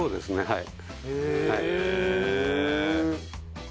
はい。